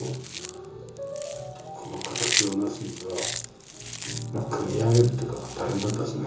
この形を成すには組み上げるというか大変だったですね。